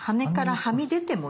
はみ出てもいい？